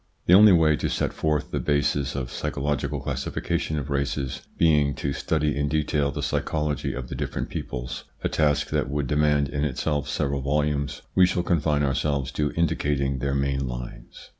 The only way to set forth the bases of a psycho logical classification of races being to study in detail the psychology of the different peoples, a task that would demand in itself several volumes, we shall confine ourselves to indicating their main lines.